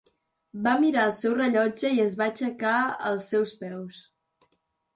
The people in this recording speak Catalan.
Va mirar el seu rellotge i es va aixecar als seus peus.